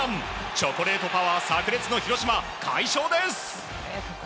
チョコレートパワー炸裂の広島快勝です！